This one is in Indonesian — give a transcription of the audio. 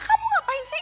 kamu ngapain si